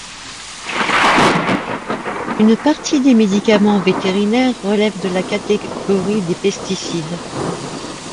Une partie des médicaments vétérinaires relèvent de la catégorie des pesticides.